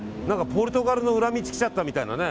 ポルトガルの裏道来ちゃったみたいなね。